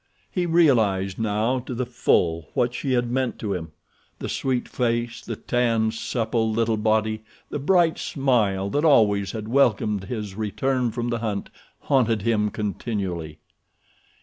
He realized now to the full what she had meant to him. The sweet face, the tanned, supple, little body, the bright smile that always had welcomed his return from the hunt haunted him continually.